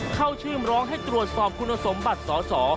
เข้าชื่อมร้องให้ตรวจสอบคุณสมบัติสอสอ